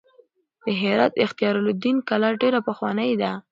د هرات اختیار الدین کلا ډېره پخوانۍ ده.